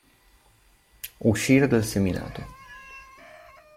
Uscire dal seminato.